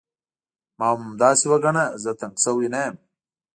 ما هم همداسې وګڼه، زه تنګ شوی نه یم.